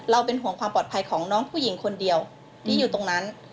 เป็นห่วงความปลอดภัยของน้องผู้หญิงคนเดียวที่อยู่ตรงนั้น